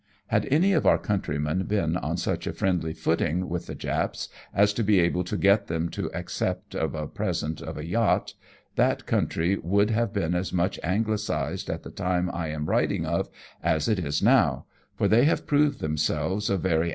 Had any of our countrymen been on such a friendly footing with the Japs as to be able to get them to accept of a present of a yacht, that country would have been as much Anglicized at the time I am waiting of as it is now, for they have proved themselves a very 162, AMONG TYPHOONS AND PIRATE CRAFT.